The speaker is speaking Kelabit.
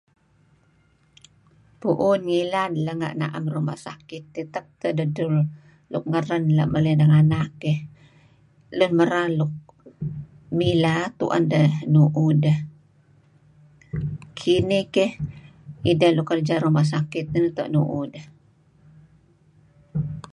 Puun ngilad am renga' naem Ruma' Sakit tak dedtur luk ngeren maley nenganak keh Lun Merar mileh tuen deh nuuh deh. Kinih keh ideh nuk kerja Ruma Sakit neto' nuuh deh.